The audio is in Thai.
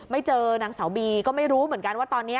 ไม่เจอนางสาวบีก็ไม่รู้เหมือนกันว่าตอนนี้